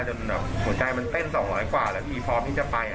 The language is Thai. หัวใจมันเต้น๒๐๐กว่าแล้วพี่พร้อมที่จะไป